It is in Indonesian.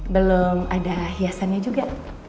belum ada hiasannya juga